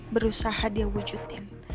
berusaha dia wujudin